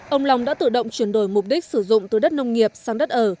ông long đã tự động chuyển đổi mục đích sử dụng từ đất nông nghiệp sang đất ở